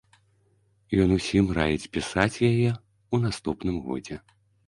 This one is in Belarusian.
Ён усім раіць пісаць яе ў наступным годзе.